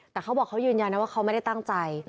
แต่เขาบอกเขายืนยันนะว่าเขาไม่ได้ตั้งใจ